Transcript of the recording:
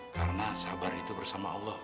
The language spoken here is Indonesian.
karena sabar itu bersama allah